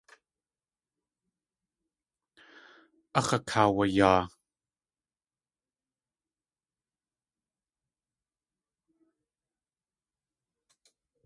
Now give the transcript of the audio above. Áx̲ akaawayaa.